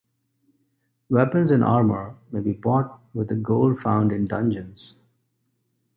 Weapons and armor may be bought with the gold found in dungeons.